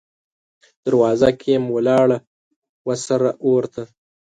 دروازه کې یم ولاړه، وه سره اور ته